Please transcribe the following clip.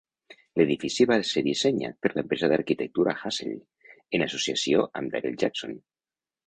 L'edifici va ser dissenyat per l'empresa d'arquitectura Hassell, en associació amb Daryl Jackson.